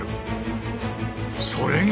それが。